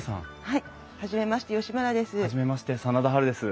はい初めまして吉村です。